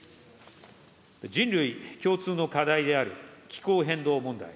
人類共通の課題である気候変動問題。